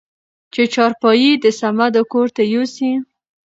چې چارپايي د صمدو کورته يوسې؟